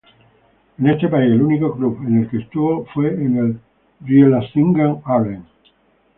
En este país, el único club en el que estuvo fue en el Rielasingen-Arlen.